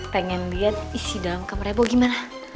pengen lihat isi dalam kamarnya boy gimana